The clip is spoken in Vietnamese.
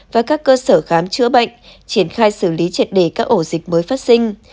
và các cơ sở khám chữa bệnh triển khai xử lý triệt đề các ổ dịch mới phát sinh